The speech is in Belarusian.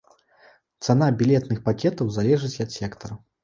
Цана білетных пакетаў залежыць ад сектара.